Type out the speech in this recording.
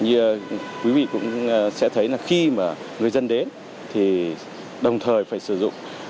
như quý vị cũng sẽ thấy là khi mà người dân đến thì đồng thời phải sử dụng